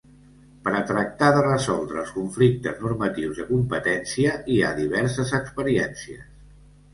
Per a tractar de resoldre els conflictes normatius de competència hi ha diverses experiències.